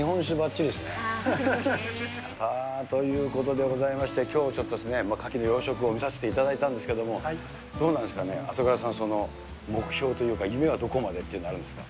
そうですね。さあ、ということでございまして、きょう、ちょっとカキの養殖を見させていただいたんですけれども、どうなんですかね、浅倉さん、その、目標というか、夢はどこまでっていうのはあるんですか。